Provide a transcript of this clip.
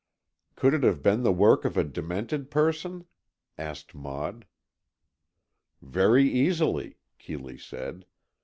"Could it have been the work of a demented person?" asked Maud. "Very easily," Keeley said.